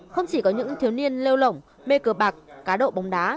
không chỉ có những thiếu niên lêu lỏng mê cờ bạc cá độ bóng đá